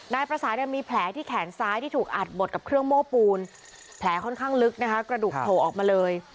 นายประสาทมีแผลที่แขนซ้ายที่ถูกอัดบดกับเครื่องโม้ปูนแผลค่อนข้างลึกนะคะกระดูกโผล่ออกมาเลย